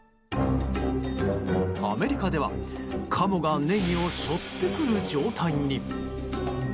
アメリカではカモがネギを背負ってくる状態に。